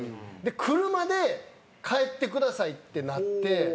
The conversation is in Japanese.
車で帰ってくださいってなって。